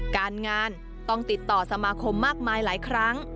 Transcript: การงานต้องติดต่อสมาคมมากมายหลายครั้ง